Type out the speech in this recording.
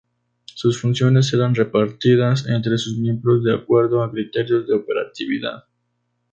Sus funciones eran repartidas entre sus miembros de acuerdo a criterios de operatividad.